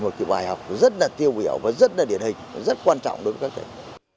một bài học rất tiêu biểu và rất điển hình rất quan trọng đối với các tỉnh